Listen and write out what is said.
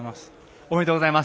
おめでとうございます。